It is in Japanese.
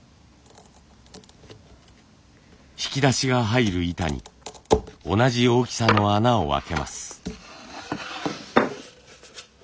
引き出しが入る板に同じ大きさの穴を開けます。